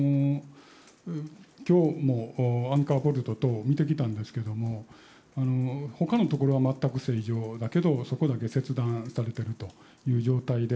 きょうもアンカーボルト等見てきたんですけども、ほかの所は全く正常だけど、そこだけ切断されてるという状態で。